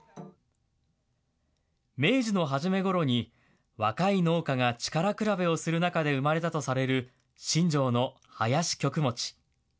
明治の初めごろに、若い農家が力比べをする中で生まれたとされる新城の囃子曲持。